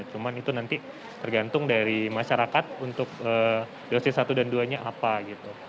cuma itu nanti tergantung dari masyarakat untuk dosis satu dan dua nya apa gitu